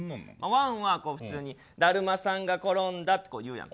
１は、だるまさんが転んだって言うやん。